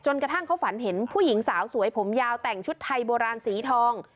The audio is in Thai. กระทั่งเขาฝันเห็นผู้หญิงสาวสวยผมยาวแต่งชุดไทยโบราณสีทอง